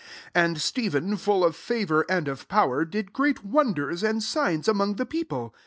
8 And Stephen, full of favour and of power, did great wonders and signs among the people.